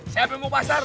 siapa yang mau pasar